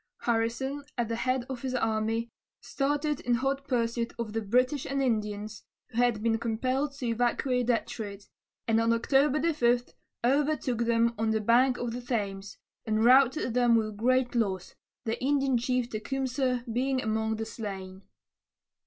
Harrison, at the head of his army, started in hot pursuit of the British and Indians, who had been compelled to evacuate Detroit, and on October 5 overtook them on the bank of the Thames, and routed them with great loss, the Indian chief Tecumseh being among the slain.